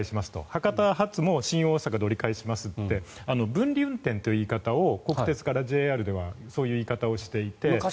博多発も新大阪で折り返しますって分離運転という言い方を国鉄からＪＲではしていて。